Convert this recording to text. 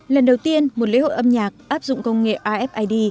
lần đầu tiên một lễ hội âm nhạc áp dụng công nghệ rfid